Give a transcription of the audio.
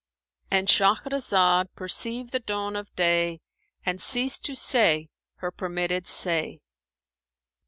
"—And Shahrazad perceived the dawn of day and ceased to say her permitted say.